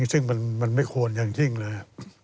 จริงมันไม่ควรอย่างจริงเลย